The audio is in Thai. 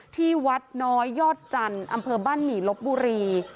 ที่วัดน้อยยอดจันทร์อำเภอบ้านหมี่ลบบุรี